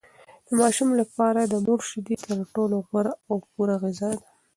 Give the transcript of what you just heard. د ماشومانو لپاره د مور شیدې تر ټولو غوره او پوره غذا ده.